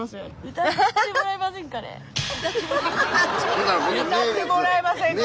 「歌ってもらえませんか」